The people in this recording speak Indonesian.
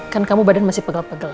kan kamu badan masih pegel pegel